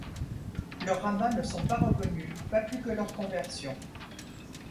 Leurs rabbins ne sont pas reconnus, pas plus que leurs conversions.